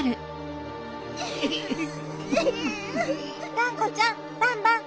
がんこちゃんバンバン！